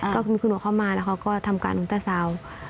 ก็มีคุณหมอเข้ามาแล้วเขาก็ทำการอุ้นต้าสาว